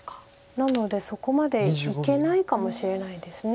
なのでそこまでいけないかもしれないです。